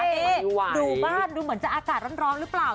เอ๊ดูบ้านดูเหมือนจะอากาศร้อนหรือเปล่า